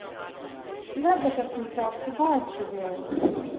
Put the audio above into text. Labdacus himself survived the war.